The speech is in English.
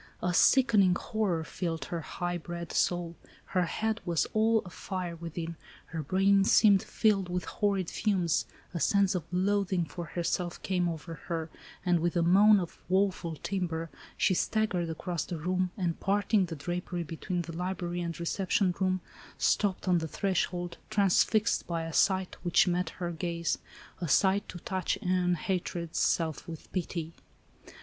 A sickening horror filled her high bred soul, her head was all afire within, her brain seemed filled with horrid fumes, a sense of loathing for herself came over her, and, with a moan of woeful timbre , she staggered across the room, and parting the drapery between the library and reception room, stopped on the threshold, transfixed by a sight which met her gaze, "a sight to touch e'en hatred's self with pity."